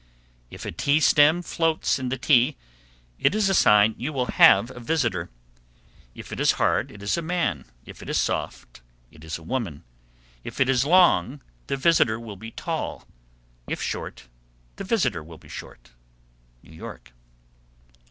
_ 776. If a tea stem floats in the tea, it is a sign you will have a visitor. If it is hard, it is a man; if it is soft, it is a woman. If it is long, the visitor will be tall; if short, the visitor will be short. _New York.